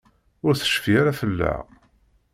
Ur tecfi ara fell-aɣ.